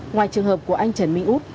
ngoài trường hợp của anh trần minh út